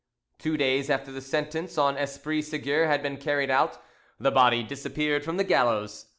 Two days after the sentence on Esprit Seguier had been carried out, the body disappeared from the gallows.